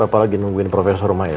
apa lagi nungguin profesor rumah ya